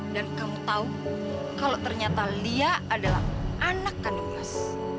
kamu tahu kalau ternyata lia adalah anak kandung mas